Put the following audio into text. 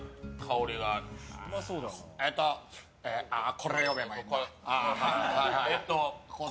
これ読めばいいの？